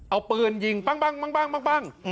เอาปืนยิงปั้ง